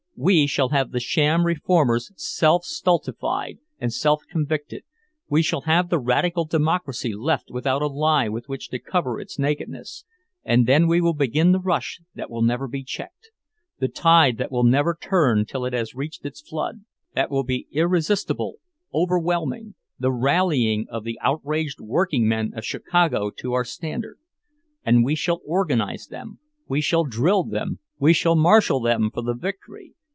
We shall have the sham reformers self stultified and self convicted; we shall have the radical Democracy left without a lie with which to cover its nakedness! And then will begin the rush that will never be checked, the tide that will never turn till it has reached its flood—that will be irresistible, overwhelming—the rallying of the outraged workingmen of Chicago to our standard! And we shall organize them, we shall drill them, we shall marshal them for the victory!